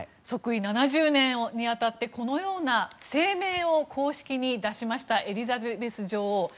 即位７０年に当たってこのような声明を公式に出しましたエリザベス女王。